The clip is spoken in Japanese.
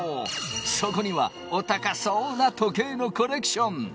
そこにはお高そうな時計のコレクション。